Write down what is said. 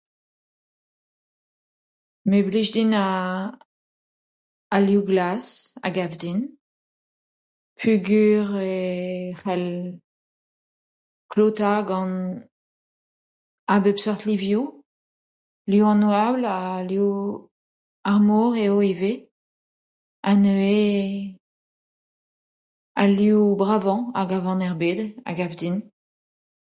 Me 'blij din al liv glas a gav din peogwir e c'hell klotañ gant a bep seurt livioù. Liv an oabl ha liv ar mor eo ivez ha neuze al liv bravañ a gavan er bed a gav din.